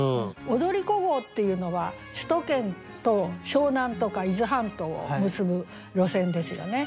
踊り子号っていうのは首都圏と湘南とか伊豆半島を結ぶ路線ですよね。